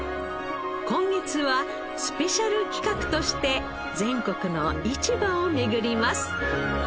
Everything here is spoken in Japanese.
今月はスペシャル企画として全国の市場を巡ります。